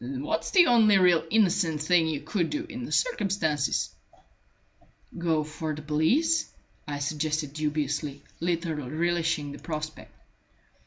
What's the only really innocent thing you could do in the circumstances?" "Go for the police," I suggested dubiously, little relishing the prospect.